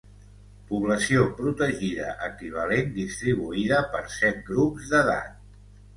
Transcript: Població protegida equivalent distribuïda per set grups d'edat.